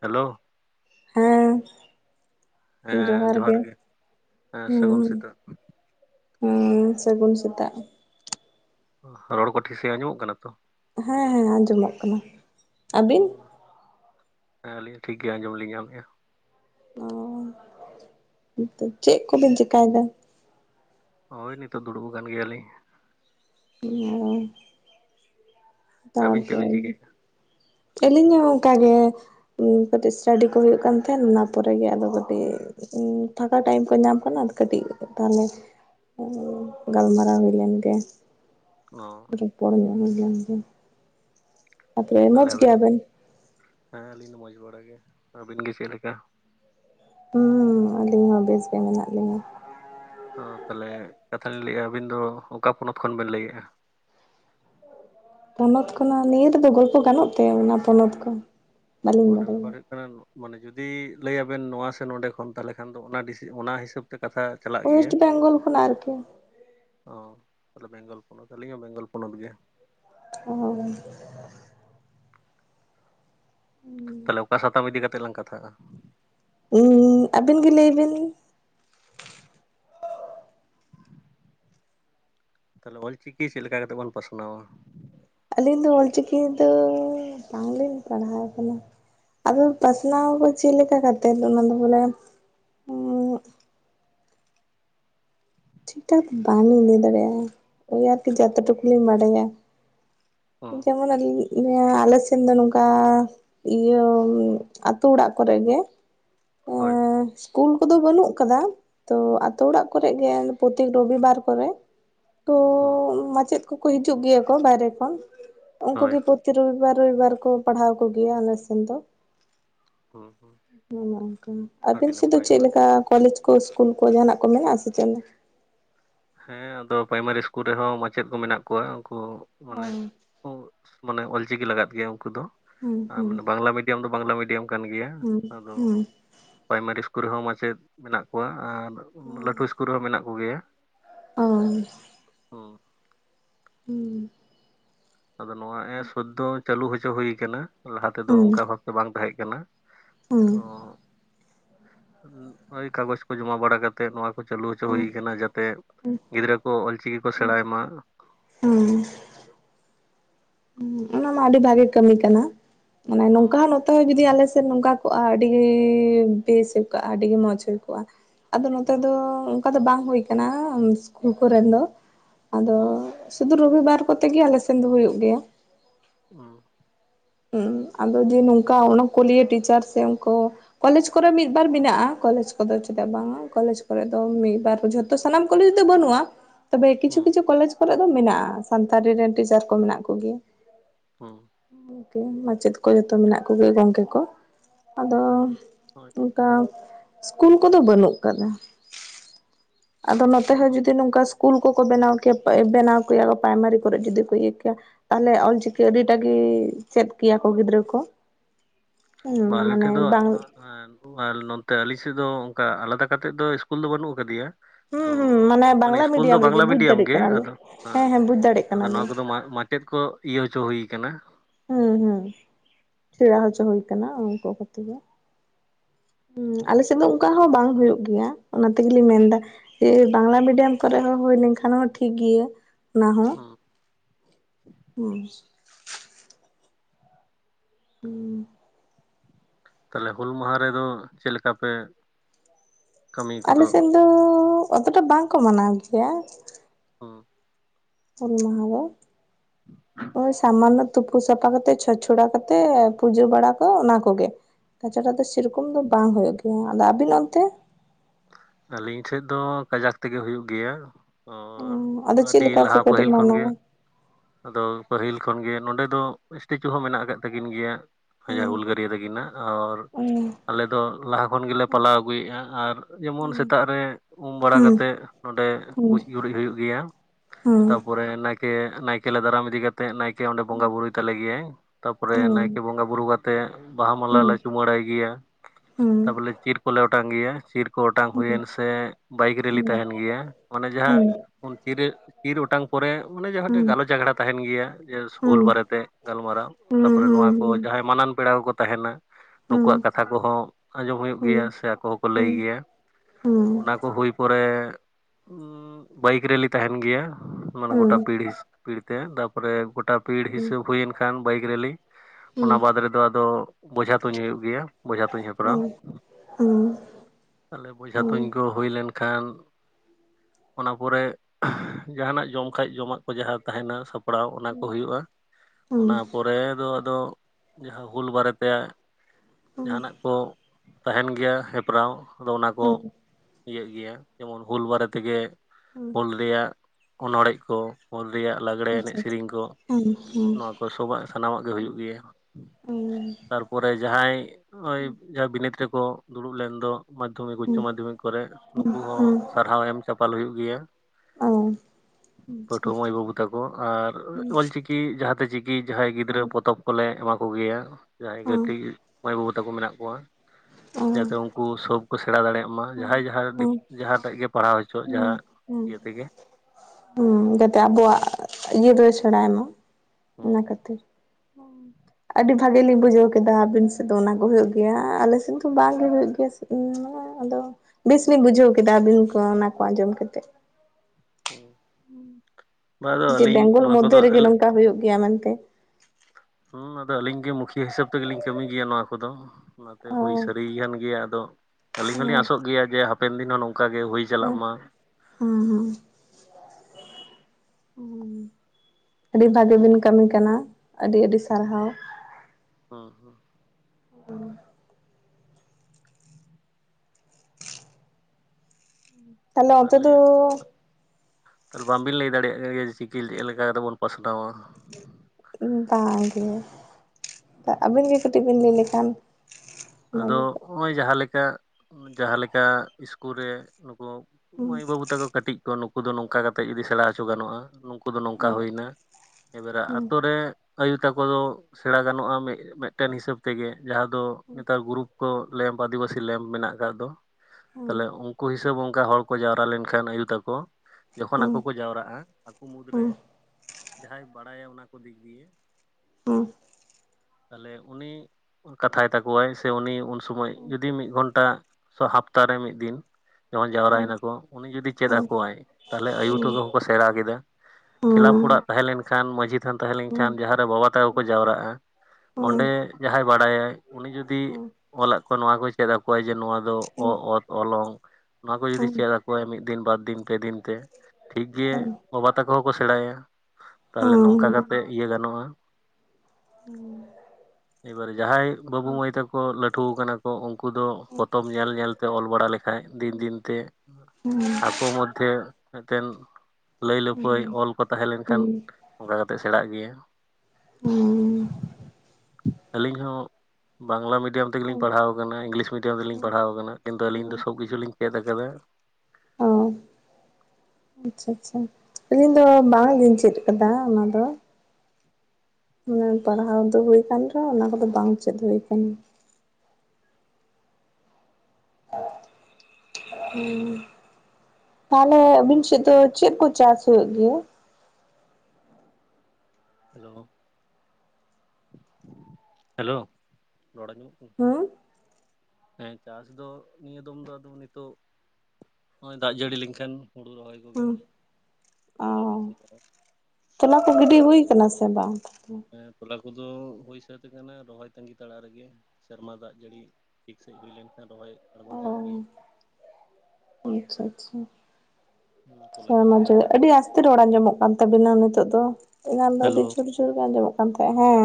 Hello. ᱦᱮᱸ ᱡᱚᱦᱟᱨ ᱜᱮ ᱦᱮᱸ ᱥᱟᱹᱜᱩᱱ ᱦᱩᱸ, ᱥᱮᱛᱟᱜ ᱦᱩᱸ ᱥᱟᱹᱜᱩᱱ ᱥᱮᱛᱟᱜ᱾ ᱨᱚᱲ ᱠᱚ ᱴᱷᱤᱠ ᱥᱟᱹᱦᱤᱡ ᱟᱸᱡᱚᱢᱚᱜ ᱠᱟᱱᱟ ᱛᱚ? ᱦᱮᱸ ᱦᱮᱸ ᱟᱸᱡᱚᱢᱚᱜ ᱠᱟᱱᱟ, ᱟᱹᱵᱤᱱ? ᱦᱮᱸ ᱟᱹᱞᱤᱧ ᱴᱷᱤᱠ ᱜᱮ ᱟᱸᱡᱚᱢ ᱞᱤᱧ ᱧᱟᱢᱮᱫᱼᱟ᱾ ᱚᱸ ᱪᱮᱫ ᱠᱚᱵᱮᱱ ᱪᱮᱠᱟᱭᱮᱫᱟ? ᱦᱳᱭ ᱱᱤᱛᱳᱜ ᱫᱩᱲᱩᱵ ᱟᱠᱟᱱ ᱜᱮᱭᱟᱞᱤᱧ᱾ [unintelligible] ᱟᱹᱵᱤᱱ ᱪᱮᱫ ᱵᱤᱱ [unintelligible] ᱪᱤᱠᱟᱹᱭᱮᱫᱼᱟ ᱟᱹᱞᱤᱧ ᱦᱚᱸ ᱚᱱᱠᱟ ᱜᱮ ᱠᱟᱹᱴᱤᱡ ᱥᱴᱟᱰᱤ ᱠᱚ ᱦᱩᱭᱩᱜ ᱠᱟᱱ ᱛᱟᱦᱮᱸᱱ ᱚᱱᱟ ᱯᱚᱨᱮᱜᱮ ᱟᱫᱚ ᱠᱟᱹᱴᱤᱡ ᱯᱷᱟᱠᱟ ᱴᱟᱭᱤᱢ ᱠᱚ ᱧᱟᱢ ᱠᱟᱱᱟ ᱠᱟᱹᱴᱤᱡ ᱛᱟᱦᱞᱮ ᱜᱟᱞᱢᱟᱨᱟᱣ ᱦᱩᱭ ᱞᱮᱱ ᱜᱮ᱾ ᱚᱸ᱾ ᱨᱚᱯᱚᱲ ᱦᱩᱭᱩᱜ -ᱟ ᱢᱟᱡᱟᱱᱜᱮ ᱛᱟᱦᱚᱞᱮ ᱟᱵᱮᱱ ᱜᱮᱭᱟᱵᱮᱱ ᱦᱮᱸ ᱟᱹᱞᱤᱧ ᱫᱚ ᱢᱚᱡᱽ ᱵᱟᱲᱟ ᱜᱮ ᱟᱹᱵᱤᱱ ᱜᱮ ᱪᱮᱫ ᱞᱮᱠᱟ? ᱦᱩᱸ ᱟᱹᱞᱤᱧ ᱦᱚᱸ ᱵᱮᱥ ᱜᱮ ᱢᱮᱱᱟᱜ ᱞᱤᱧᱟ᱾ ᱚ ᱛᱟᱦᱚᱞᱮ ᱠᱟᱛᱷᱟ ᱞᱤᱧ ᱞᱟᱹᱭᱮᱜᱼᱟ ᱟᱹᱵᱤᱱ ᱫᱚ ᱚᱠᱟ ᱯᱚᱱᱚᱛ ᱠᱷᱚᱱ ᱵᱤᱱ ᱞᱟᱹᱭᱮᱫᱼᱟ? ᱯᱚᱱᱚᱛ ᱠᱷᱚᱱᱟᱜ ᱱᱤᱭᱟᱹ ᱛᱮᱫᱚ ᱜᱚᱞᱯᱚ ᱜᱟᱱᱚᱜ ᱛᱮ ᱚᱱᱟ ᱯᱚᱱᱚᱛ ᱠᱚ? ᱵᱟᱹᱞᱤᱧ ᱢᱟᱱᱮ ᱵᱟᱰᱟᱭᱟ ᱵᱮᱯᱟᱨ ᱢᱟᱱᱮ ᱡᱩᱫᱤ ᱞᱟᱹᱭᱟᱵᱮᱱ ᱱᱚᱣᱟ ᱥᱮ ᱱᱚᱸᱰᱮ ᱠᱷᱚᱱ ᱛᱟᱦᱚᱞᱮ ᱠᱷᱟᱱ ᱫᱚ ᱚᱱᱟ ᱚᱱᱟ ᱦᱤᱥᱟᱹᱵ ᱛᱮ ᱠᱟᱛᱷᱟ ᱪᱟᱞᱟᱜ ᱜᱮᱭᱟ᱾ ᱳᱭᱮᱥᱴ ᱵᱮᱝᱜᱚᱞ ᱠᱷᱚᱱᱟᱜ ᱟᱨᱠᱤ ᱚ ᱛᱟᱦᱚᱞᱮ ᱵᱮᱝᱜᱚᱞ ᱯᱚᱱᱚᱛ ᱟᱹᱞᱤᱧ ᱦᱚᱸ ᱵᱮᱝᱜᱚᱞ ᱯᱚᱱᱚᱛ ᱜᱮ᱾ [unintelligible] ᱛᱟᱦᱚᱞᱮ ᱚᱠᱟ ᱥᱟᱛᱟᱢ ᱤᱫᱤ ᱠᱟᱛᱮᱫ ᱞᱟᱝ ᱠᱟᱛᱷᱟᱜ-ᱟ? ᱩᱸ ᱟᱹᱵᱤᱱ ᱜᱮ ᱞᱟᱹᱭ ᱵᱤᱱ᱾ ᱛᱟᱦᱚᱞᱮ, ᱚᱞ ᱪᱤᱠᱤ, ᱪᱮᱫ ᱞᱮᱠᱟ? ᱠᱟᱛᱮᱫ ᱵᱚᱱ, ᱯᱟᱥᱱᱟᱣᱟ ᱾ ᱟᱹᱞᱤᱧ ᱫᱚ, ᱚᱞᱪᱤᱠᱤ ᱫᱚ, ᱵᱟᱝᱞᱤᱧ ᱯᱟᱲᱦᱟᱣ ᱟᱠᱟᱱᱟ ᱾ ᱟᱫᱚ, ᱯᱟᱥᱱᱟᱣ ᱦᱚᱸ ᱟᱵᱚ ᱪᱮᱫ ᱞᱮᱠᱟ? ᱠᱟᱛᱮᱫ, ᱚᱱᱟ ᱫᱚ [inaudible] ᱴᱷᱤᱠ, ᱴᱷᱟᱠ ᱵᱟᱝᱞᱤᱧ ᱞᱟᱹᱭ, ᱫᱟᱲᱮᱭᱟᱜᱼᱟ ᱾ ᱳᱭ ᱟᱨᱠᱤ ᱡᱚᱛ ᱴᱩᱠᱩ ᱞᱤᱧ ᱵᱟᱰᱟᱭᱟ ᱾ [unintelligible] ᱟᱞᱮ, ᱥᱮᱫ ᱫᱚ, ᱱᱚᱝᱠᱟ ᱾ ᱤᱭᱟᱹ, ᱟᱛᱳ ᱚᱲᱟᱜ ᱠᱚᱨᱮ ᱜᱮ ᱾ ᱦᱳᱭ ᱾ ᱤᱥᱠᱩᱞ ᱠᱚᱫᱚ, ᱵᱟᱹᱱᱩᱜ ᱟᱠᱟᱫᱟ ᱾ ᱛᱚ, ᱟᱛᱳ ᱚᱲᱟᱜ ᱠᱚᱨᱮ ᱜᱮ, ᱯᱨᱚᱛᱤᱠ ᱨᱚᱵᱤᱵᱟᱨ ᱠᱚᱫᱚ ᱾ ᱛᱚ, ᱦᱚᱸ ᱢᱟᱪᱮᱫ ᱠᱚᱠᱚ, ᱦᱤᱡᱩᱜ ᱜᱮᱭᱟ ᱠᱚ, ᱵᱟᱭᱨᱮ ᱠᱷᱚᱱ ᱾ ᱩᱱᱠᱩ ᱦᱳᱭ ᱜᱮ, ᱯᱨᱚᱛᱤ ᱨᱚᱵᱤᱵᱟᱨ, ᱨᱚᱵᱤᱵᱟᱨ ᱠᱚ, ᱯᱟᱲᱦᱟᱣ ᱠᱚ ᱜᱮᱭᱟ, ᱟᱞᱮ ᱥᱮᱱ ᱫᱚ ᱦᱚᱸ ᱦᱚᱸ ᱾ [inaudible] ᱟᱯᱮ, ᱟᱹᱰᱤ ᱥᱮᱫ ᱫᱚ ᱱᱟᱯᱟᱭ ᱪᱮᱫ ᱚᱱᱟ ᱠᱚ᱾ ᱞᱮᱠᱟ? ᱠᱚᱞᱮᱡᱽ ᱠᱚ, ᱤᱥᱠᱩᱞ ᱠᱚ, ᱡᱟᱦᱟᱸᱱᱟᱜ ᱠᱚ, ᱢᱮᱱᱟᱜᱼᱟ ᱥᱮ, ᱪᱮᱫ? ᱦᱮᱸ, ᱟᱫᱚ ᱯᱨᱟᱭᱢᱟᱨᱤ ᱤᱥᱠᱩᱞ ᱨᱮᱦᱚᱸ, ᱢᱟᱪᱮᱫ ᱠᱚ, ᱢᱮᱱᱟᱜ ᱠᱚᱣᱟ ᱾ ᱩᱱᱠᱩ ᱢᱟᱱᱮ ᱾ [inaudible] ᱢᱟᱱᱮ, ᱚᱞᱪᱤᱠᱤ ᱞᱟᱜᱟᱫ ᱜᱮ, ᱩᱱᱠᱩ ᱫᱚ ᱦᱩᱸ ᱾ ᱦᱩᱸ ᱟᱨ ᱵᱟᱝᱞᱟ ᱢᱤᱰᱤᱭᱟᱢ ᱫᱚ, ᱵᱟᱝᱞᱟ ᱢᱤᱰᱤᱭᱟᱢ ᱠᱟᱱ ᱜᱮᱭᱟ ᱦᱩᱸ ᱾ ᱟᱫᱚ ᱦᱩᱸ ᱯᱨᱟᱭᱢᱟᱨᱤ ᱤᱥᱠᱩᱞ ᱨᱮᱦᱚᱸ, ᱢᱟᱪᱮᱫ ᱢᱮᱱᱟᱜ ᱠᱚᱣᱟ ᱾ ᱟᱨ, ᱞᱟᱹᱴᱩ ᱤᱥᱠᱩᱞ ᱨᱮᱦᱚᱸ, ᱢᱮᱱᱟᱜ ᱠᱚ ᱜᱮᱭᱟ ᱾ ᱦᱳᱭ [inaudible] ᱦᱩᱸ ᱾ ᱦᱩᱸ ᱻ ᱾ ᱟᱫᱚ ᱱᱚᱣᱟ ᱮᱥ, ᱥᱳᱫᱫᱚ ᱪᱟᱹᱞᱩ ᱦᱚᱪᱚ ᱦᱩᱭ ᱟᱠᱟᱱᱟ ᱾ ᱞᱟᱦᱟ ᱛᱮᱫᱚ, ᱦᱩᱸ ᱚᱱᱠᱟ ᱵᱷᱟᱵᱛᱮ, ᱵᱟᱝ ᱛᱟᱦᱮᱸ ᱠᱟᱱᱟ ᱾ ᱛᱚ, ᱳᱭ ᱠᱟᱜᱚᱡᱽ ᱠᱚ, ᱡᱚᱢᱟ ᱵᱟᱲᱟ ᱠᱟᱛ ᱛᱮ, ᱱᱚᱣᱟ ᱠᱚ ᱪᱟᱹᱞᱩ ᱦᱚᱪᱚ ᱦᱩᱸ ᱦᱩᱭ ᱟᱠᱟᱱᱟ ᱾ ᱡᱟᱛᱮ ᱜᱤᱫᱽᱨᱟᱹ ᱠᱚ, ᱚᱞ ᱪᱤᱠᱤ ᱠᱚ ᱥᱮᱬᱟᱭ ᱢᱟ ᱾ ᱦᱩᱸᱻ ᱾ ᱦᱩᱸ, ᱚᱱᱟ ᱢᱟ, ᱟᱹᱰᱤ ᱵᱷᱟᱜᱮ ᱠᱟᱹᱢᱤ ᱠᱟᱱᱟ ᱾ ᱢᱟᱱᱮ ᱦᱩᱸ ᱱᱚᱝᱠᱟ ᱦᱚᱸ, ᱢᱤᱛ ᱛᱚ, ᱡᱩᱫᱤ ᱟᱞᱮ ᱥᱮᱱ, ᱱᱚᱝᱠᱟ ᱠᱚᱜᱼᱟ ᱾ ᱟᱰᱤ ᱜᱮ, ᱵᱮᱥ ᱦᱩᱭᱠᱚᱜᱼᱟ ᱾ ᱟᱰᱤ ᱜᱮ, ᱢᱚᱸᱡᱽ ᱦᱩᱭ ᱠᱚᱜᱼᱟ ᱾ ᱟᱫᱚ ᱱᱚᱛᱮ ᱦᱩᱸ ᱫᱚ, ᱚᱝᱠᱟ ᱫᱚ ᱵᱟᱝ ᱦᱳᱭ ᱟᱠᱟᱱᱟ ᱾ ᱤᱥᱠᱩᱞ ᱠᱚᱨᱮ ᱫᱚ, ᱟᱫᱚ ᱦᱩᱸ ᱥᱩᱫᱩ, ᱨᱚᱵᱤᱵᱟᱨ ᱠᱚᱛᱮ ᱜᱮ, ᱟᱞᱮ ᱥᱮᱱ ᱫᱚ, ᱦᱩᱭᱩᱜ ᱜᱮᱭᱟ ᱾ [inaudible] ᱦᱩᱸ, ᱟᱞᱮ ᱵᱤ ᱱᱚᱝᱠᱟ, ᱚᱱᱚ ᱠᱚᱞᱤᱭᱟᱹ ᱴᱤᱪᱟᱨ ᱥᱮ, ᱩᱱᱠᱩ ᱠᱚᱞᱮᱡᱽ ᱠᱚᱨᱮ, ᱢᱤᱫᱵᱟᱨ ᱢᱮᱱᱟᱜᱼᱟ ᱾ ᱠᱚᱞᱮᱡᱽ ᱠᱚᱫᱚ ᱪᱮᱫᱟᱜ ᱵᱟᱝᱼᱟ? ᱠᱚᱞᱮᱡᱽ ᱠᱚᱨᱮ ᱫᱚ ᱢᱤᱫᱵᱟᱨ ᱨᱤᱡᱷᱟ. ᱯ ᱛᱚ, ᱥᱟᱱᱟᱢ ᱠᱚᱞᱮᱡ ᱫᱚ ᱵᱟᱹᱱᱩᱜᱼᱟ ᱾ ᱛᱚᱵᱮ, ᱠᱤᱪᱷᱩ ᱦᱩᱸ ᱠᱤᱪᱷᱩ, ᱠᱚᱞᱮᱡᱽ ᱠᱚᱨᱮ ᱫᱚ, ᱢᱮᱱᱟᱜᱼᱟ ᱾ ᱥᱟᱱᱛᱟᱲᱤ ᱨᱮᱱ ᱴᱤᱪᱟᱨ ᱠᱚ, ᱢᱮᱱᱟᱜ ᱠᱚ ᱜᱮᱭᱟ‌᱾ ᱦᱮᱸ ᱾ ᱢᱟᱪᱮᱫ ᱠᱚ ᱡᱚᱛᱚ ᱢᱮᱱᱟᱜ ᱠᱚ, ᱜᱮ ᱜᱚᱝᱠᱮ ᱠᱚ ᱾ ᱟᱫᱚ, ᱦᱳᱭ ᱚᱱᱠᱟ, ᱤᱥᱠᱩᱞ ᱠᱚᱫᱚ, ᱵᱟᱹᱱᱩᱜ ᱟᱠᱟᱫᱟ ᱾ ᱟᱫᱚ, ᱱᱚᱛᱮ ᱦᱚᱸ, ᱦᱳᱭ ᱡᱩᱫᱤ ᱱᱚᱝᱠᱟ ᱤᱥᱠᱩᱞ ᱠᱚᱠᱚ, ᱵᱮᱱᱟᱣ ᱠᱮ, ᱵᱮᱱᱟᱣ ᱠᱮᱭᱟ ᱠᱚ, ᱯᱨᱟᱭᱢᱟᱨᱤ ᱠᱚ ᱨᱮ, ᱡᱩᱫᱤ ᱠᱚ ᱤᱭᱟᱹ ᱠᱮᱭᱟ ᱾ ᱛᱟᱦᱞᱮ, ᱚᱞᱪᱤᱠᱤ ᱟᱹᱰᱤᱴᱟᱜ ᱜᱮ, ᱪᱮᱫ ᱠᱮᱭᱟ ᱠᱚ, ᱜᱤᱫᱽᱨᱟᱹ ᱠᱚ ᱾ ᱮᱸᱻᱝ, ᱵᱟ, ᱟᱞᱮ ᱢᱟᱱᱮ ᱴᱷᱮᱡ ᱫᱚ ᱵᱟᱝ? ᱟᱨ, ᱱᱩᱣᱟᱞ [unintelligible] ᱱᱚᱛᱮ ᱟᱞᱤᱧ ᱥᱮᱫ ᱫᱚ, ᱚᱱᱠᱟ ᱟᱞᱟᱫᱟ ᱠᱟᱛᱮ ᱫᱚ, ᱤᱥᱠᱩᱞ ᱫᱚ ᱵᱟᱹᱱᱩᱜ ᱟᱠᱟᱫᱮᱭᱟ ᱾ ᱛᱚ, ᱦᱩᱸ ᱦᱩᱸ ‌ ᱢᱟᱱᱮ ᱵᱟᱝᱞᱟ ᱤᱥᱠᱩᱞ ᱫᱚ ᱢᱤᱰᱤᱭᱟᱢ ᱨᱮᱜᱮ ᱵᱟᱝᱞᱟ ᱵᱩᱡᱽ ᱢᱤᱰᱤᱭᱟᱢ ᱫᱟᱲᱮᱜ ᱜᱮ, ᱠᱟᱱᱟᱞᱮ ᱟᱫᱚ? ᱦᱟᱸ ᱦᱮᱸ ᱦᱮᱸ ᱵᱩᱡᱽ ᱫᱟᱲᱮᱜ ᱾ ᱟᱫᱚ ᱱᱚᱣᱟ ᱠᱟᱱᱟᱞᱮ ᱠᱚᱫᱚ, ᱢᱟ ᱢᱟ ᱪᱮᱫ? ᱠᱚ, ᱤᱭᱟᱹ ᱦᱚᱪᱚ ᱦᱩᱭ ᱟᱠᱟᱱᱟ ᱾ ᱦᱩᱸ ᱦᱩᱸ, ᱥᱮᱬᱟ ᱦᱚᱪᱚ ᱦᱩᱭ ᱟᱠᱟᱱᱟ, ᱩᱱᱠᱩ ᱠᱚᱛᱮ ᱜᱮ ᱾ ᱟᱞᱮ ᱥᱮᱫ ᱫᱚ, ᱩᱝᱠᱟ ᱦᱚᱸ ᱵᱟᱝ ᱦᱩᱭᱩᱜ ᱜᱮᱭᱟ ᱾ ᱚᱱᱟ ᱛᱮᱜᱮ ᱞᱤᱧ ᱢᱮᱱᱮᱫᱟ ᱾ ᱵᱟᱝᱞᱟ ᱢᱤᱰᱤᱭᱟᱢ ᱠᱚᱨᱮ ᱦᱚᱸ, ᱦᱳᱭ ᱞᱮᱱᱠᱷᱟᱱ, ᱦᱚᱸ ᱴᱷᱤᱠ ᱜᱮᱭᱟ ᱾ᱚᱱᱟ ᱦᱚᱸ, [inaudible] ᱦᱩᱸᱻ ᱛᱟᱞᱦᱮ ᱦᱩᱞ ᱢᱟᱦᱟ ᱨᱮᱫᱚ ᱪᱮᱫ ᱞᱮᱠᱟ ᱯᱮ ᱼᱼ ᱟᱞᱮ ᱥᱮᱱ ᱫᱚ ᱚᱛᱚᱴᱟ ᱵᱟᱝᱠᱚ ᱢᱟᱱᱟᱣ ᱜᱮᱭᱟ᱾ ᱚ ᱦᱩᱞ ᱢᱟᱦᱟ ᱨᱮ ᱳᱭ ᱥᱟᱢᱟᱱᱱᱚᱼᱼ ᱛᱩᱯᱩ ᱥᱟᱯᱷᱟ ᱠᱟᱛᱮᱜ ᱪᱷᱚᱸᱡ ᱪᱷᱚᱲᱟ ᱠᱟᱛᱮᱜ ᱯᱩᱡᱟᱹ ᱵᱟᱲᱟ ᱠᱚ ᱚᱱᱟ ᱠᱚᱜᱮ᱾ ᱮᱛᱚᱴᱟᱜ ᱫᱚ ᱥᱮᱨᱚᱠᱚᱢ ᱫᱚ ᱵᱟᱝ ᱦᱳᱭᱳᱜ ᱜᱮᱭᱟ ᱟᱫᱚ ᱟᱵᱤᱱ ᱚᱱᱛᱮ? ᱟᱹᱞᱤᱧ ᱴᱷᱮᱡ ᱫᱚ ᱠᱟᱡᱟᱠ ᱛᱮᱜᱮ ᱦᱩᱭᱩᱜ ᱜᱮᱭᱟ᱾ ᱚᱨ ᱟᱫᱚ ᱪᱮᱫ ᱟᱹᱰᱤ ᱞᱮᱠᱟ ᱞᱟᱦᱟ ᱯᱮ ᱠᱟᱹᱴᱤᱡ ᱯᱟᱹᱦᱤᱞ ᱠᱷᱚᱱ ᱜᱮ᱾ ᱢᱟᱱᱟᱣᱟ ᱟᱫᱚ ᱯᱟᱹᱦᱤᱞ ᱠᱷᱚᱱ ᱜᱮ ᱱᱚᱸᱰᱮ ᱫᱚ ᱥᱴᱮᱪᱩ ᱦᱚᱸ ᱢᱮᱱᱟᱜ ᱠᱟᱫ ᱛᱟᱹᱠᱤᱱ ᱜᱮᱭᱟ᱾ ᱦᱩᱸ ᱦᱩᱞᱜᱟ. ᱨᱤᱭᱟ. ᱛᱟ. ᱠᱤᱱᱟᱜ ᱚᱨᱼᱼ ᱦᱩᱸ ᱟᱞᱮ ᱫᱚ ᱞᱟᱦᱟ ᱠᱷᱚᱱ ᱜᱮᱞᱮ ᱯᱟᱞᱟᱣ ᱟᱜᱩᱭᱜᱼᱟ ᱟᱨᱼᱼ ᱡᱮᱢᱚᱱ ᱦᱩᱸ ᱥᱮᱛᱟᱜ ᱨᱮ ᱩᱢ ᱵᱟᱲᱟ ᱦᱩᱸ ᱠᱟᱛᱮ ᱚᱸᱰᱮ ᱜᱩᱡ ᱜᱩᱨᱤᱡ ᱦᱩᱭᱩᱜ ᱜᱮᱭᱟ᱾ ᱦᱩᱸ ᱯᱚᱨᱮ ᱱᱟᱭᱠᱮ ᱱᱟᱭᱠᱮ ᱞᱮ ᱫᱟᱨᱟᱢ ᱤᱫᱤ ᱠᱟᱛᱮᱼᱼ ᱱᱟᱭᱠᱮ ᱚᱸᱰᱮ ᱵᱚᱸᱜᱟ ᱵᱩᱨᱩᱭ ᱛᱟᱞᱮ ᱜᱮᱭᱟᱭ ᱦᱩᱸ ᱛᱟᱯᱚᱨᱮ ᱦᱩᱸ ᱱᱟᱭᱠᱮ ᱵᱚᱸᱜᱟ ᱵᱩᱨᱩ ᱠᱟᱛᱮᱼᱼ ᱵᱟᱦᱟ ᱢᱟᱞᱟ ᱦᱩᱸ ᱞᱮ ᱪᱩᱢᱟᱹᱲᱟᱭ ᱜᱮᱭᱟ ᱦᱩᱸ ᱛᱟᱯᱚᱞᱮ ᱪᱤᱨ ᱠᱚᱞᱮ ᱚᱴᱟᱝ ᱜᱮᱭᱟ ᱪᱤᱨᱼᱼ ᱠᱚ ᱚᱴᱟᱝ ᱦᱩᱭᱮᱱ ᱥᱮ ᱵᱟᱭᱤᱠ ᱨᱮᱞᱤ ᱛᱟᱸᱦᱮᱱ ᱜᱮᱭᱟ ᱚᱱᱮ ᱡᱟᱦᱟᱸ ᱩᱱ ᱪᱤᱨᱟᱹᱼᱼ ᱪᱤᱨ ᱚᱴᱟᱝ ᱯᱚᱨᱮ ᱚᱱᱮ ᱡᱟᱦᱟᱸᱴᱮᱡ ᱜᱟᱞᱚᱪ ᱟᱠᱷᱲᱟ ᱛᱟᱸᱦᱮᱱ ᱜᱮᱭᱟ ᱡᱮ ᱦᱩᱞ ᱵᱟᱨᱮ ᱛᱮ ᱜᱟᱞᱢᱟᱨᱟᱣ᱾ ᱛᱟᱯᱚᱨᱮ ᱱᱚᱣᱟ ᱠᱚ ᱡᱟᱦᱟᱸᱭ ᱢᱟᱱᱟᱱ ᱯᱮᱲᱟ ᱠᱚᱠᱚ ᱛᱟᱦᱮᱱᱟ, ᱱᱩᱠᱩᱣᱟᱜ ᱠᱟᱛᱷᱟ ᱠᱚᱦᱚᱸ ᱟᱸᱡᱚᱢ ᱦᱩᱭᱩᱜ ᱜᱮᱭᱟ ᱥᱮ ᱟᱠᱚ ᱦᱚᱸᱠᱚ ᱞᱟᱹᱭ ᱜᱮᱭᱟ᱾ ᱱᱚᱜᱱᱟ ᱠᱚ ᱦᱩᱭ ᱯᱚᱨᱮ ᱵᱟᱭᱤᱠ ᱨᱮᱞᱤ ᱛᱟᱸᱦᱮᱱ ᱜᱮᱭᱟ᱾ ᱜᱚᱴᱟ ᱯᱤᱲᱦᱤᱥ ᱯᱤᱲ ᱛᱮ ᱛᱟᱯᱚᱨᱮ ᱜᱚᱴᱟ ᱯᱤᱲ ᱦᱤᱥᱟᱹᱵᱽ ᱦᱩᱭᱮᱱ ᱠᱷᱟᱱ ᱵᱟᱭᱤᱠ ᱨᱮᱞᱤ ᱼᱼ ᱚᱱᱟ ᱵᱟᱫ ᱨᱮᱫᱚ ᱟᱫᱚ ᱵᱚᱡᱷᱟ ᱛᱩᱧ ᱦᱩᱭᱩᱜ ᱜᱮᱭᱟ ᱵᱚᱡᱷᱟ ᱛᱩᱧ ᱦᱮᱯᱨᱟᱣ, ᱦᱩᱸᱻ ᱛᱟᱞᱦᱮ ᱵᱚᱡᱷᱟ ᱛᱩᱧ ᱠᱚ ᱦᱩᱭ ᱞᱮᱱ ᱠᱷᱟᱱ ᱼᱼ ᱚᱱᱟ ᱯᱚᱨᱮ ᱡᱟᱦᱟᱸᱱᱟᱜ ᱡᱚᱢ ᱠᱷᱟᱡ ᱡᱚᱢᱟᱜ ᱠᱚ ᱡᱟᱦᱟᱸ ᱛᱟᱦᱮᱱᱟ ᱼᱼ ᱥᱟᱯᱲᱟᱣ ᱚᱱᱟ ᱠᱚ ᱦᱩᱭᱩᱜᱼᱟ ᱚᱱᱟ ᱯᱚᱨᱮ ᱫᱚ ᱟᱫᱚᱼᱼ ᱡᱟᱦᱟᱸ ᱦᱩᱞ ᱵᱟᱨᱮ ᱛᱮ ᱡᱟᱦᱟᱸᱱᱟᱜ ᱠᱚ ᱛᱟᱸᱦᱮᱱ ᱜᱮᱭᱟ ᱦᱮᱯᱨᱟᱣ᱾ ᱟᱫᱚ ᱚᱱᱟ ᱠᱚ ᱤᱭᱟᱹᱜ ᱜᱮᱭᱟ ᱡᱮᱢᱚᱱ ᱦᱩᱞ ᱵᱟᱨᱮ ᱛᱮᱜᱮ ᱦᱩᱞ ᱨᱮᱭᱟᱜᱼᱼ ᱚᱱᱚᱲᱦᱮᱜ ᱠᱚ, ᱚᱞ ᱨᱮᱭᱟᱜ ᱞᱟᱜᱽᱲᱮ ᱮᱱᱮᱡ ᱥᱮᱨᱮᱧ ᱠᱚ ᱱᱚᱣᱟ ᱠᱚ ᱥᱚᱵᱟᱜ ᱥᱟᱱᱟᱢᱟᱜ ᱜᱮ ᱦᱩᱭᱩᱜ ᱜᱮᱭᱟ᱾ ᱦᱩᱸ ᱯᱚᱨᱮ ᱡᱟᱦᱟᱸᱭ ᱱᱚᱜᱚᱭ ᱡᱟᱦᱟᱸ ᱵᱤᱱᱤᱰ ᱨᱮᱠᱚ ᱫᱩᱲᱩᱵ ᱞᱮᱱ ᱫᱚ, ᱢᱟᱫᱽᱫᱷᱚᱢᱤᱠ ᱩᱪᱪᱚ ᱢᱟᱫᱽᱫᱷᱚᱢᱤᱠ ᱠᱚᱨᱮ ᱱᱩᱠᱩ ᱦᱚᱸ ᱥᱟᱨᱦᱟᱣ ᱮᱢ ᱪᱟᱯᱟᱞ ᱦᱩᱭᱩᱜ ᱜᱮᱭᱟ᱾ ᱯᱟᱹᱴᱷᱩᱣᱟᱹ ᱢᱟᱹᱭ ᱵᱟᱹᱵᱩ ᱛᱟᱠᱚ ᱟᱨ ᱚᱞ ᱪᱤᱠᱤ ᱡᱟᱦᱟᱸᱛᱮ ᱪᱤᱠᱤ ᱠᱤ ᱡᱟᱦᱟᱸᱭ ᱜᱤᱫᱽᱨᱟᱹ ᱯᱚᱛᱚᱵ ᱠᱚᱞᱮ ᱮᱢᱟ ᱠᱚᱜᱮᱭᱟ ᱡᱟᱦᱟᱸᱭ ᱠᱟᱹᱴᱤᱡ ᱢᱟᱹᱭ ᱵᱟᱹᱵᱩ ᱛᱟᱠᱚ ᱢᱮᱱᱟᱜ ᱠᱚᱣᱟ᱾ ᱡᱟᱛᱮ ᱩᱱᱠᱩ ᱥᱚᱵ ᱠᱚ ᱥᱮᱬᱟ ᱫᱟᱲᱮᱭᱟᱜᱼᱼ ᱢᱟ ᱡᱟᱦᱟᱸᱭ ᱡᱟᱦᱟᱸᱰᱤ ᱡᱟᱦᱟᱸᱴᱟᱜ ᱜᱮ ᱯᱟᱲᱦᱟᱣ ᱦᱚᱪᱚᱣᱟᱜ ᱡᱟᱦᱟᱸ ᱤᱭᱟᱹ ᱛᱮᱜᱮ᱾ ᱦᱩᱸ ᱡᱟᱛᱮ ᱟᱵᱚᱣᱟᱜ ᱤᱭᱟᱹ ᱫᱚᱭ ᱥᱮᱬᱟᱭ ᱢᱟ ᱦᱩᱸ ᱚᱱᱟ ᱠᱷᱟᱹᱛᱤᱨ᱾ [inaudible] ᱟᱹᱰᱤ ᱵᱷᱟᱜᱤ ᱞᱤᱧ ᱵᱩᱡᱷᱟᱹᱣ ᱠᱮᱫᱟ ᱟᱹᱵᱤᱱ ᱥᱮᱫ ᱫᱚ ᱚᱱᱟ ᱠᱚ ᱦᱩᱭᱩᱜ ᱜᱮᱭᱟ ᱟᱞᱮᱥᱮᱫ ᱫᱚ ᱵᱟᱝᱜᱮ ᱦᱩᱭᱩᱜ ᱜᱮᱭᱟ ᱼᱼ ᱟᱫᱚ ᱵᱮᱥ ᱞᱤᱧ ᱵᱩᱡᱷᱟᱹᱣ ᱠᱮᱫᱟ ᱟᱹᱵᱤᱱ ᱠᱚ ᱚᱱᱟ ᱠᱚ ᱟᱸᱡᱚᱢ ᱠᱟᱛᱮᱜ᱾ ᱦᱩᱸ ᱵᱟ ᱟᱫᱚ ᱡᱮ ᱟᱹᱞᱤᱧ ᱵᱮᱝᱜᱚᱞ ᱱᱚᱣᱟ ᱢᱚᱫᱽᱫᱷᱮ ᱠᱚᱫᱚ ᱨᱮᱜᱮ ᱟᱞᱮ ᱱᱚᱝᱠᱟ ᱦᱩᱭᱩᱜ ᱜᱮᱭᱟ ᱢᱮᱱᱛᱮ᱾ ᱦᱩᱸ ᱟᱫᱚ ᱟᱹᱞᱤᱧ ᱜᱮ ᱢᱩᱠᱷᱤᱭᱟᱹ ᱦᱤᱥᱟᱹᱵ ᱛᱮᱜᱮᱞᱤᱧ ᱠᱟᱹᱢᱤ ᱜᱮᱭᱟ ᱱᱚᱣᱟ ᱠᱚᱫᱚ᱾ ᱚᱱᱟᱛᱮ ᱦᱩᱭ ᱥᱟᱹᱨᱤᱭ ᱠᱟᱱ ᱜᱮᱭᱟ, ᱟᱫᱚ ᱟᱹᱞᱤᱧ ᱦᱚᱞᱤᱧ ᱦᱩᱸ ᱟᱥᱚᱜ ᱜᱮᱭᱟ ᱡᱮ ᱦᱟᱯᱮᱱ ᱫᱤᱱ ᱦᱚᱸ ᱱᱚᱝᱠᱟ ᱚᱱᱠᱟ ᱜᱮ ᱦᱩᱭ ᱪᱟᱞᱟᱜ ᱢᱟ᱾ ᱦᱩᱸ ᱦᱩᱸ ᱟᱹᱰᱤ ᱵᱷᱟᱹᱜᱤ ᱵᱤᱱ ᱠᱟᱹᱢᱤ ᱠᱟᱱᱟ ᱟᱹᱰᱤ ᱟᱹᱰᱤ ᱥᱟᱨᱦᱟᱣ᱾ ᱦᱩᱸ ᱦᱩᱸ ᱛᱟᱦᱚᱞᱮ ᱟᱯᱮ ᱫᱚ ᱛᱟᱦᱚᱞᱮ ᱵᱟᱝᱵᱤᱱ ᱞᱟᱹᱭ ᱫᱟᱲᱮᱭᱟᱜ ᱠᱟᱱᱟ ᱜᱮᱭᱟ, ᱡᱮ ᱪᱤᱠᱤᱞ ᱪᱮᱫ ᱞᱮᱠᱟ ᱠᱟᱛᱮ ᱵᱚᱱ ᱯᱟᱥᱱᱟᱣᱟ? ᱵᱟᱝᱜᱮ ᱟᱹᱵᱤᱱ ᱜᱮ ᱠᱟᱹᱴᱤᱡ ᱵᱤᱱ ᱞᱟᱹᱭ ᱞᱮᱠᱷᱟᱱ ᱵᱷᱟᱜᱮ ᱟᱫᱚ ᱠᱚᱜᱼᱟ ᱱᱚᱜᱼᱚᱭ ᱡᱟᱦᱟᱸᱞᱮᱠᱟ ᱡᱟᱦᱟᱸᱞᱮᱠᱟ ᱤᱥᱠᱩᱞ ᱨᱮ ᱱᱩᱠᱩ ᱦᱩᱸ ᱢᱟᱹᱭ ᱵᱟᱹᱵᱩ ᱛᱟᱠᱚ ᱠᱟᱹᱴᱤᱡ ᱠᱚ ᱱᱩᱠᱩ ᱫᱚ ᱱᱚᱝᱠᱟ ᱠᱟᱛᱮᱜ ᱡᱩᱫᱤ ᱥᱮᱬᱟ ᱦᱚᱪᱚ ᱜᱟᱱᱚᱜᱼᱟ᱾ ᱩᱱᱠᱩ ᱫᱚ ᱱᱚᱝᱠᱟ ᱦᱩᱸ ᱦᱩᱭᱱᱟ, ᱮᱵᱟᱨᱮ ᱟᱛᱳ ᱨᱮ ᱟᱭᱳ ᱛᱟᱠᱚ ᱫᱚ ᱥᱮᱬᱟ ᱜᱟᱱᱚᱜᱼᱟ, ᱢᱮᱴᱮᱱ ᱦᱤᱥᱟᱹᱵ ᱛᱮᱜᱮ ᱡᱟᱦᱟᱸ ᱫᱚ ᱱᱮᱛᱟᱨ ᱜᱩᱨᱩᱯ ᱠᱚ ᱞᱮᱢᱯ ᱟᱹᱫᱤᱵᱟᱹᱥᱤ ᱞᱮᱢᱯ ᱢᱮᱱᱟᱜ ᱠᱟᱜ ᱫᱚ, ᱦᱩᱸ ᱛᱟᱦᱚᱞᱮ ᱩᱱᱠᱩ ᱩᱱᱠᱩ ᱦᱤᱥᱟᱹᱵᱽ ᱚᱱᱠᱟ ᱦᱚᱲ ᱠᱚ ᱡᱟᱣᱨᱟ ᱞᱮᱱᱠᱷᱟᱱ ᱟᱭᱩ ᱛᱟᱠᱚ, ᱡᱚᱠᱷᱚᱱ ᱦᱩᱸ ᱟᱠᱚ ᱠᱚ ᱡᱟᱣᱨᱟᱜᱼᱟ, ᱟᱠᱚ ᱢᱩᱫᱽᱨᱮ ᱦᱩᱸ ᱡᱟᱦᱟᱸᱭ ᱵᱟᱲᱟᱭᱟ ᱚᱱᱟ ᱠᱚ ᱫᱤᱠ ᱫᱤᱭᱮ [unintelligible] ᱛᱟᱦᱚᱞᱮ ᱩᱱᱤ ᱠᱟᱛᱷᱟᱭ ᱛᱟᱠᱚᱣᱟᱭ ᱥᱮ ᱩᱱᱤ ᱩᱱ ᱥᱚᱢᱚᱭ ᱡᱩᱫᱤ ᱢᱤᱫ ᱜᱷᱚᱱᱴᱟ ᱥᱚ ᱦᱟᱯᱛᱟ ᱨᱮ ᱢᱤᱫ ᱫᱤᱱ, ᱡᱚᱠᱷᱚᱱ ᱦᱩᱸ ᱦᱩᱸ ᱡᱟᱣᱨᱟᱭᱱᱟᱠᱚ ᱩᱱᱤ ᱡᱩᱫᱤ ᱪᱮᱫ ᱦᱩᱸ ᱟᱠᱚᱣᱟᱭ ᱛᱟᱦᱚᱞᱮ ᱟᱭᱩ ᱦᱩᱸ ᱛᱟᱠᱚ ᱦᱚᱸᱠᱚ ᱥᱮᱬᱟ ᱠᱮᱫᱟ᱾ ᱠᱞᱟᱵᱽ ᱦᱩᱸ ᱚᱲᱟᱜ ᱛᱟᱦᱮᱸ ᱞᱮᱱᱠᱷᱟᱱ ᱢᱟᱺᱡᱷᱤ ᱛᱷᱟᱱ ᱛᱟᱦᱮᱸ ᱚ ᱞᱮᱱᱠᱷᱟᱱ ᱡᱟᱦᱟᱸᱨᱮ ᱵᱟᱵᱟ ᱛᱟᱠᱚ ᱠᱚ ᱡᱟᱣᱨᱟᱜᱼᱟ᱾ ᱚᱸᱰᱮ ᱟᱪᱪᱷᱟ ᱡᱟᱦᱟᱸᱭ ᱵᱟᱲᱟᱭᱟᱭ ᱩᱱᱤ ᱡᱩᱫᱤ ᱚᱞᱟᱜ ᱠᱚ ᱱᱚᱣᱟ ᱠᱚ ᱪᱮᱫ ᱟᱠᱚᱣᱟᱭ ᱡᱮ ᱱᱚᱣᱟ ᱫᱚ ᱚ ᱚᱛ ᱚᱞ ᱚᱝ ᱱᱚᱣᱟ ᱠᱚ ᱡᱩᱫᱤ ᱪᱮᱫ ᱟᱠᱚᱣᱟᱭ ᱢᱤᱫ ᱫᱤᱱ ᱵᱟᱨ ᱫᱤᱱ ᱯᱮ ᱫᱤᱱ ᱛᱮ, ᱴᱷᱤᱠ ᱜᱮ ᱵᱟᱵᱟ ᱛᱟᱠᱚ ᱦᱚᱸᱠᱚ ᱥᱮᱬᱟᱭᱟ, ᱛᱟᱦᱚᱞᱮ ᱱᱚᱝᱠᱟ ᱠᱟᱛᱮᱜ ᱤᱭᱟᱹ ᱜᱟᱱᱚᱜᱼᱟ᱾ ᱦᱩᱸ ᱮᱵᱟᱨᱮ ᱡᱟᱦᱟᱸᱭ ᱵᱟᱹᱵᱩ ᱢᱟᱹᱭ ᱛᱟᱠᱚ ᱞᱟᱹᱴᱷᱩ ᱠᱟᱱᱟ ᱠᱚ, ᱩᱱᱠᱩ ᱫᱚ ᱯᱚᱛᱚᱵ ᱧᱮᱞ ᱧᱮᱞᱛᱮ ᱚᱞ ᱵᱟᱲᱟ ᱞᱮᱠᱷᱟᱱ ᱠᱷᱟᱡ ᱫᱤᱱ ᱫᱤᱱᱛᱮ ᱟᱠᱚ ᱢᱚᱫᱽᱫᱷᱮ ᱢᱤᱫᱴᱮᱱ ᱞᱟᱹᱭ ᱞᱟᱹᱯᱟᱹᱭ ᱚᱞ ᱠᱚ ᱛᱟᱦᱮᱸ ᱞᱮᱱᱠᱷᱟᱱ ᱚᱱᱠᱟ ᱠᱟᱛᱮᱜ ᱥᱮᱬᱟᱜ ᱜᱮᱭᱟ᱾ ᱟᱹᱞᱤᱧ ᱦᱚᱸ ᱵᱟᱝᱞᱟ ᱢᱤᱰᱤᱭᱟᱢ ᱛᱮᱜᱮᱞᱤᱧ ᱯᱟᱲᱦᱟᱣ ᱠᱟᱱᱟ ᱤᱝᱞᱤᱥ ᱢᱤᱰᱤᱭᱟᱢ ᱛᱮᱞᱤᱧ ᱯᱟᱲᱦᱟᱣ ᱠᱟᱱᱟ ᱠᱤᱱᱛᱩ ᱟᱹᱞᱤᱧ ᱫᱚ ᱥᱚᱵᱽ ᱠᱤᱪᱷᱩᱞᱤᱧ ᱪᱮᱫ ᱠᱟᱫᱟ᱾ [unintelligible] ᱟᱪᱪᱷᱟ ᱟᱪᱪᱷᱟ, ᱟᱹᱞᱤᱧ ᱫᱚ ᱵᱟᱝᱞᱤᱧ ᱪᱮᱫ ᱠᱟᱫᱟ ᱚᱱᱟ ᱫᱚ᱾ ᱢᱟᱱᱮ ᱯᱟᱲᱦᱟᱣ ᱫᱚ ᱦᱩᱭ ᱠᱟᱱ ᱨᱮᱦᱚᱸ ᱚᱱᱟ ᱠᱚᱫᱚ ᱵᱟᱝ ᱪᱮᱫ ᱦᱩᱭ ᱠᱟᱱᱟ᱾ ᱦᱩᱸ, ᱛᱟᱦᱚᱞᱮ ᱟᱵᱤᱱ ᱥᱮᱫ ᱫᱚ ᱪᱮᱫ ᱠᱚ ᱪᱟᱥ ᱦᱳᱭᱳᱜ ᱜᱮᱭᱟ? ᱦᱮᱞᱳ, ᱦᱮᱞᱳ, ᱨᱚᱲ ᱟᱸᱡᱚᱢᱚᱜ ᱠᱟᱱᱟ? ᱦᱮᱸ ᱦᱮᱸ ᱪᱟᱥ ᱫᱚ ᱱᱤᱭᱟᱹ ᱫᱚᱢ ᱫᱚ ᱟᱫᱚ ᱱᱤᱛᱚᱜ ᱱᱚᱜᱼᱚᱭ ᱫᱟᱜ ᱡᱟᱹᱲᱤ ᱞᱮᱱᱠᱷᱟᱱ ᱦᱩᱲᱩ ᱨᱚᱦᱚᱭ ᱠᱚᱜᱮ, ᱦᱮᱸ ᱚ ᱛᱚᱞᱟ ᱜᱟᱹᱪᱷᱤ ᱠᱚᱨᱮ, ᱛᱚᱞᱟ ᱠᱚ ᱜᱤᱰᱤ ᱦᱩᱭ ᱟᱠᱟᱱᱟ ᱥᱮ ᱵᱟᱝ ᱚᱱᱛᱮ ᱫᱚ? ᱦᱮᱸ ᱛᱚᱞᱟ ᱠᱚᱫᱚ ᱦᱩᱭ ᱥᱟᱹᱛ ᱟᱠᱟᱱᱟ, ᱨᱚᱦᱚᱭ ᱛᱟᱹᱜᱤ ᱛᱟᱲᱟᱜ ᱨᱮᱜᱮ ᱥᱮᱨᱢᱟ ᱫᱟᱜ ᱡᱟᱹᱲᱤ ᱴᱷᱤᱠ ᱥᱟᱹᱦᱤᱡ ᱦᱩᱭ ᱞᱮᱱᱠᱷᱟᱱ ᱨᱚᱦᱚᱭ ᱟᱬᱜᱚᱱ ᱚ ᱦᱩᱭᱩᱜ ᱜᱮᱭᱟ᱾ ᱟᱪᱪᱷᱟ ᱟᱪᱪᱷᱟ᱾ ᱥᱮ ᱛᱚᱞᱟ ᱠᱚᱫᱚ ᱦᱩᱭ ᱢᱟᱡᱷᱮ ᱥᱟᱹᱛ ᱟᱹᱰᱤ ᱟᱥᱛᱮ ᱨᱚᱲ ᱟᱸᱡᱚᱢᱚᱜ ᱠᱟᱱ ᱛᱟᱵᱤᱱᱟ ᱱᱤᱛᱚᱜ ᱫᱚ, ᱮᱱᱟᱱ ᱫᱚ ᱟᱹᱰᱤ ᱦᱮᱞᱳ ᱡᱩᱨ ᱡᱩᱨ ᱡᱩᱨ ᱜᱮ ᱟᱸᱡᱚᱢᱚᱜ ᱠᱟᱱ ᱛᱟᱦᱮᱸᱜ ᱦᱮᱸ,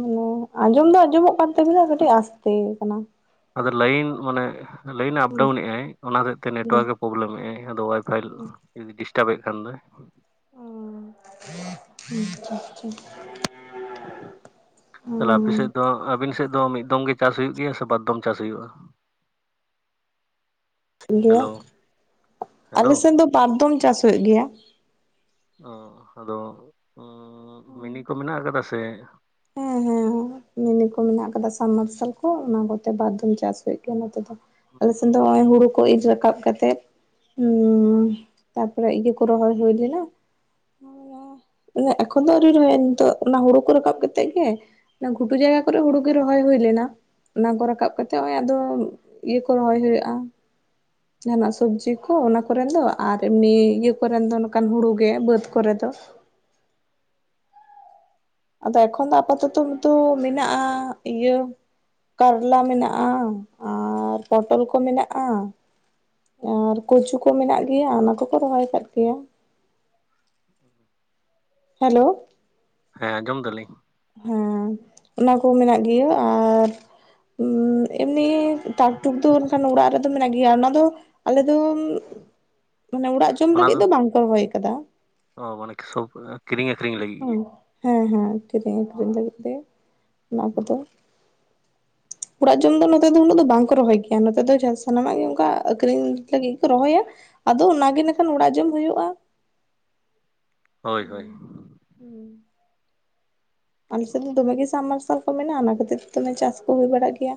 ᱢᱟᱱᱮ ᱟᱸᱡᱚᱢ ᱫᱚ ᱟᱸᱡᱚᱢᱚᱜ ᱠᱟᱱ ᱛᱟᱹᱵᱤᱱᱟ ᱠᱟᱹᱴᱤᱡ ᱟᱥᱛᱮ ᱠᱟᱱᱟ᱾ ᱟᱫᱚ ᱞᱟᱭᱤᱱ ᱢᱟᱱᱮ ᱞᱟᱭᱤᱱ ᱦᱩᱸ ᱟᱯᱰᱟᱣᱩ ᱱᱮᱜᱼᱟᱭ ᱚᱱᱟ ᱦᱚᱛᱮᱡ ᱛᱮ ᱦᱩᱸ ᱱᱮᱴᱚᱣᱟᱨᱠ ᱮ ᱯᱨᱚᱵᱞᱮᱢ ᱮᱫᱟᱭ, ᱟᱫᱚ ᱚᱣᱟᱭ-ᱯᱷᱟᱭ ᱦᱩᱸ ᱡᱩᱫᱤ ᱰᱤᱥᱴᱟᱵ ᱮᱫ ᱠᱷᱟᱱ ᱫᱚᱭ [inaudible] ᱛᱟᱦᱞᱮ ᱟᱯᱮ ᱥᱮᱫ ᱦᱩᱸ ᱫᱚ, ᱟᱹᱵᱤᱱ ᱥᱮᱫ ᱫᱚ ᱢᱤᱫ ᱫᱚᱢ ᱜᱮ ᱪᱟᱥ ᱦᱩᱭᱩᱜ ᱜᱮᱭᱟ ᱥᱮ ᱵᱟᱨ ᱫᱚᱢ ᱪᱟᱥ ᱦᱩᱭᱩᱜᱼᱟ? ᱜᱮᱭᱟ᱾ ᱦᱮᱞᱳ ᱦᱮᱞᱳ ᱟᱞᱮ ᱥᱮᱫ ᱫᱚ ᱵᱟᱨ ᱫᱚᱢ ᱪᱟᱥ ᱦᱩᱭᱩᱜ ᱜᱮᱭᱟ ᱾ ᱦᱩᱸ ᱟᱫᱚ ᱢᱤᱱᱤ ᱠᱚ ᱢᱮᱱᱟᱜ ᱠᱟᱫᱟ ᱥᱮ? ᱦᱮᱸ ᱦᱮᱸ ᱢᱤᱱᱤ ᱠᱚ ᱢᱮᱱᱟᱜ ᱟᱠᱟᱫᱼᱟ, ᱥᱟᱵᱢᱟᱨᱥᱟᱞ ᱠᱚ ᱚᱱᱟ ᱠᱚᱛᱮ ᱵᱟᱨ ᱫᱩᱢ ᱪᱟᱥ ᱦᱩᱭᱩᱜ ᱜᱮᱭᱟ, ᱱᱚᱛᱮ ᱫᱚ᱾ ᱟᱞᱮ ᱥᱮᱱ ᱫᱚ ᱱᱚᱜᱼᱚᱭ ᱦᱩᱲᱩ ᱠᱚ ᱤᱨ ᱨᱟᱠᱟᱵ ᱠᱟᱛᱮᱜ ᱦᱩᱸ ᱛᱟᱯᱚᱨᱮ ᱤᱭᱟᱹ ᱠᱚ ᱨᱚᱦᱚᱭ ᱦᱩᱭ ᱞᱮᱱᱟ ᱾ ᱢᱟᱱᱮ ᱮᱠᱷᱚᱱ ᱫᱚ ᱟᱹᱣᱨᱤ ᱨᱚᱦᱚᱭ ᱚᱜᱼᱟ ᱛᱚ, ᱱᱤᱛᱚᱜ ᱚᱱᱟ ᱦᱩᱲᱩ ᱠᱚ ᱨᱟᱠᱟᱵ ᱠᱟᱛᱮ ᱛᱮᱫ ᱜᱮ, ᱜᱷᱩᱴᱩ ᱡᱟᱭᱜᱟ ᱠᱚᱨᱮ ᱦᱩᱲᱩ ᱜᱮ ᱨᱚᱦᱚᱭ ᱦᱩᱭ ᱞᱮᱱᱟ᱾ ᱚᱱᱟ ᱠᱚ ᱨᱟᱠᱟᱵ ᱠᱟᱛᱮᱜ ᱱᱚᱜᱼᱚᱭ ᱟᱫᱚ ᱤᱭᱟᱹ ᱠᱚ ᱨᱚᱦᱚᱭ ᱦᱩᱭᱩᱜᱼᱟ? ᱡᱟᱦᱟᱱᱟᱜ ᱥᱚᱵᱽᱡᱤ ᱠᱚ, ᱚᱱᱟ ᱠᱚᱨᱮᱱ ᱫᱚ ᱟᱨ ᱮᱢᱱᱤ ᱤᱭᱟᱹ ᱠᱚᱨᱮᱱ ᱫᱚ ᱱᱚᱝᱠᱟᱱ ᱦᱩᱲᱩ ᱜᱮ ᱵᱟᱹᱫᱽ ᱠᱚᱨᱮ ᱫᱚ ᱟᱫᱚ ᱮᱠᱷᱚᱱ ᱫᱚ ᱟᱯᱟ ᱛᱚᱛᱚ ᱫᱚ ᱢᱮᱱᱟᱜᱼᱟ, ᱤᱭᱟᱹ ᱠᱟᱨᱞᱟ ᱢᱮᱱᱟᱜᱼᱟ ᱟᱨ ᱯᱚᱴᱚᱞ ᱠᱚ ᱢᱮᱱᱟᱜᱼᱟ᱾ ᱟᱨ ᱠᱩᱪᱩ ᱠᱚ ᱢᱮᱱᱟᱜ ᱜᱮᱭᱟ᱾ ᱚᱱᱟ ᱠᱚᱠᱚ ᱨᱚᱦᱚᱭ ᱠᱟᱫ ᱜᱮᱭᱟ᱾ [inaudible] ᱦᱮᱞᱳ! ᱦᱮᱸ ᱟᱸᱡᱚᱢ ᱮᱫᱟ ᱞᱤᱧ? ᱦᱮᱸ ᱚᱱᱟ ᱠᱚ ᱢᱮᱱᱟᱜ ᱜᱮᱭᱟ ᱟᱨ ᱦᱩᱸ ᱮᱢᱱᱤ ᱴᱟᱠ ᱴᱩᱠ ᱫᱚ ᱚᱱᱠᱟᱱ ᱚᱲᱟᱜ ᱨᱮᱫᱚ ᱢᱮᱱᱟᱜ ᱜᱮᱭᱟ, ᱚᱱᱟ ᱫᱚ ᱟᱞᱮ ᱫᱚ [inaudible] ᱢᱟᱱᱮ ᱚᱲᱟᱜ ᱡᱚᱢ ᱞᱟᱹᱜᱤᱫ ᱫᱚ ᱵᱟᱝ ᱠᱚ ᱨᱚᱦᱚᱭ ᱠᱟᱫᱟ᱾ ᱚ ᱢᱟᱱᱮ ᱥᱚᱵ- ᱠᱤᱨᱤᱧ ᱟᱹᱠᱷᱨᱤᱧ ᱞᱟᱹᱜᱤᱫ ᱦᱩᱸ ᱜᱮ ᱦᱮᱸ ᱦᱮᱸ, ᱠᱤᱨᱤᱧ ᱟᱹᱠᱷᱨᱤᱧ ᱞᱟᱹᱜᱤᱫ ᱛᱮ ᱚᱱᱟ ᱠᱚᱫᱚ ᱚᱲᱟᱜ ᱡᱚᱢ ᱫᱚ ᱱᱚᱛᱮ ᱫᱚ ᱩᱱᱟᱹᱜ ᱫᱚ ᱵᱟᱝ ᱠᱚ ᱨᱚᱦᱚᱭ ᱜᱮᱭᱟ᱾ ᱱᱚᱛᱮ ᱫᱚ ᱥᱟᱱᱟᱢᱟᱜ ᱜᱮ ᱚᱱᱠᱟ ᱟᱹᱠᱷᱨᱤᱧ ᱞᱟᱹᱜᱤᱫ ᱜᱮᱠᱚ ᱨᱚᱦᱚᱭᱟ᱾ ᱟᱫᱚ ᱚᱱᱟ ᱜᱮ ᱱᱟᱜ ᱠᱷᱟᱱ ᱚᱲᱟᱜ ᱡᱚᱢ ᱦᱩᱭᱩᱜᱼᱟ᱾ ᱦᱳᱭ ᱦᱳᱭ᱾ ᱦᱩᱸ᱾ ᱟᱞᱮ ᱥᱮᱫ ᱫᱚ ᱫᱚᱢᱮ ᱜᱮ ᱥᱟᱢᱢᱟᱨᱥᱟᱞ ᱠᱚ ᱢᱮᱱᱟᱜᱼᱟ, ᱚᱱᱟ ᱠᱷᱟᱹᱛᱤᱨ ᱛᱮ ᱫᱚᱢᱮ ᱪᱟᱥ ᱠᱚ ᱦᱩᱭ ᱵᱟᱲᱟᱜ ᱜᱮᱭᱟ᱾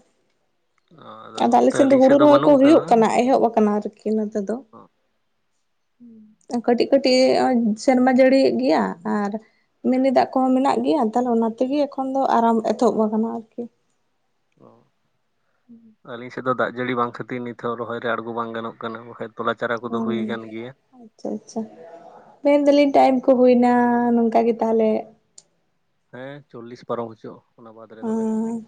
ᱟᱫᱚ ᱟᱞᱮ ᱱᱚᱱᱛᱮ ᱥᱮᱫ ᱫᱚ ᱟᱹᱞᱤᱧ ᱦᱩᱲᱩ ᱨᱚᱦᱚᱭ ᱠᱚ ᱵᱟᱹᱱᱩᱜ ᱟᱠᱟᱫᱟ ᱦᱩᱭᱩᱜ ᱠᱟᱱᱟ, ᱮᱦᱚᱵ ᱟᱠᱟᱱᱟ ᱟᱨᱠᱤ ᱱᱚᱛᱮ ᱫᱚ᱾ ᱦᱩᱸ᱾ ᱠᱟᱹᱴᱤᱡ ᱠᱟᱹᱴᱤᱡ ᱥᱮᱨᱢᱟ ᱡᱟᱹᱲᱤ ᱮᱫ ᱜᱮᱭᱟ ᱟᱨ ᱢᱤᱱᱤ ᱫᱟᱜ ᱠᱚᱦᱚᱸ ᱢᱮᱱᱟᱜ ᱜᱮᱭᱟ᱾ ᱛᱟᱦᱚᱞᱮ ᱚᱱᱟ ᱛᱮᱜᱮ ᱮᱠᱷᱚᱱ ᱫᱚ ᱟᱨᱟᱢ ᱮᱛᱚᱦᱚᱵ ᱟᱠᱟᱱᱟ ᱟᱹᱨᱠᱤ᱾ ᱚ ᱟᱹᱞᱤᱧ ᱥᱮᱫ ᱫᱚ ᱫᱟᱜ ᱡᱟᱹᱲᱤ ᱵᱟᱝ ᱠᱷᱟᱹᱛᱤᱨ, ᱱᱤᱛ ᱦᱚᱸ ᱨᱚᱦᱚᱭ ᱨᱮ ᱟᱬᱜᱚ ᱵᱟᱝ ᱜᱟᱱᱚᱜ ᱠᱟᱱᱟ, ᱵᱟ ᱛᱚᱞᱟ ᱪᱟᱨᱟ ᱠᱚᱫᱚ ᱦᱩᱭ ᱟᱠᱟᱱ ᱜᱮᱭᱟ᱾ ᱟᱪᱪᱷᱟ ᱟᱪᱪᱷᱟ, ᱢᱮᱱ ᱫᱟᱞᱤᱧ ᱴᱟᱭᱤᱢ ᱠᱚ ᱦᱩᱭᱱᱟ ᱱᱚᱝᱠᱟ ᱜᱮ ᱛᱟᱦᱞᱮ ᱦᱮᱸ ᱪᱚᱞᱞᱤᱥ ᱯᱟᱨᱚᱢ ᱦᱚᱪᱚᱜ ᱚᱱᱟ ᱵᱟᱫ ᱨᱮ ᱫᱚᱦᱚᱭᱮᱜ ᱟᱹᱧ᱾ ᱟᱸᱻ